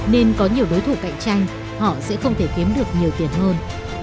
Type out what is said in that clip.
nên có nhiều đối thủ cạnh tranh họ sẽ không thể kiếm được nhiều tiền hơn